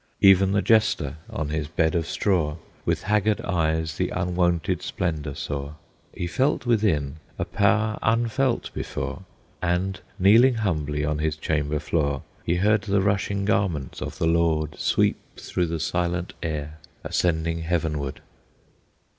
Even the Jester, on his bed of straw, With haggard eyes the unwonted splendor saw, He felt within a power unfelt before, And, kneeling humbly on his chamber floor, He heard the rushing garments of the Lord Sweep through the silent air, ascending heavenward.